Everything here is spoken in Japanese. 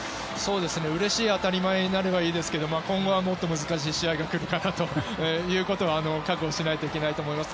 うれしい当たり前になればいいですけど今後はもっと難しい試合が来るかなということは覚悟しないといけないと思います。